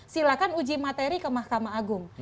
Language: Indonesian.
silakan uji materi ke mahkamah agung